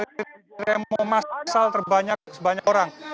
memasal terbanyak sebanyak orang